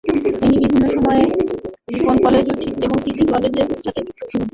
তিনি বিভিন্ন সময়ে রিপন কলেজ এবং সিটি কলেজের সাথেও যুক্ত ছিলেন।